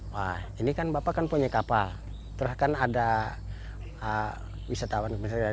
wah ini kan bapak kan punya kapal terus kan ada wisatawan misalnya